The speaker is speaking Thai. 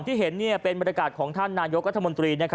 ที่เห็นเป็นบรรยากาศของท่านนายกรัฐมนตรี